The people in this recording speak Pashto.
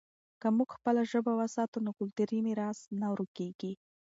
که موږ خپله ژبه وساتو، نو کلتوري میراث نه ورکېږي.